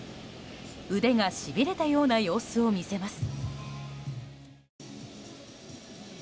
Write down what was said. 腕がしびれたような様子を見せます。